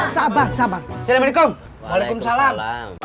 sabar sabar assalamualaikum waalaikumsalam